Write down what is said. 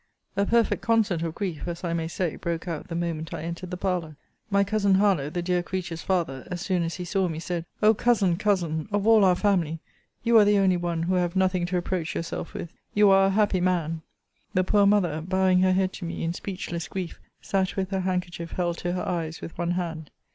A perfect concert of grief, as I may say, broke out the moment I entered the parlour. My cousin Harlowe, the dear creature's father, as soon as he saw me, said, O Cousin, Cousin, of all our family, you are the only one who have nothing to reproach yourself with! You are a happy man! The poor mother, bowing her head to me in speechless grief, sat with her handkerchief held to her eyes with one hand.